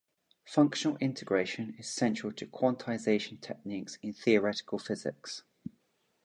Functional integration is central to quantization techniques in theoretical physics.